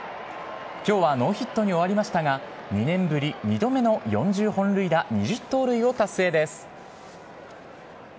きょうはノーヒットに終わりましたが、２年ぶり２度目の４０本塁打２０盗塁を達成です。